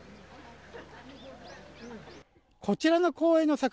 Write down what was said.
こちらの公園の桜